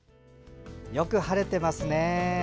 よく晴れてますね。